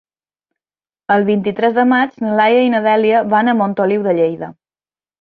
El vint-i-tres de maig na Laia i na Dèlia van a Montoliu de Lleida.